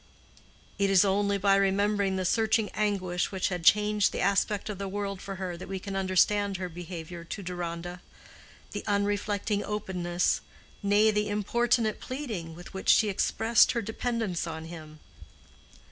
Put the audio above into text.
It is only by remembering the searching anguish which had changed the aspect of the world for her that we can understand her behavior to Deronda—the unreflecting openness, nay, the importunate pleading, with which she expressed her dependence on him.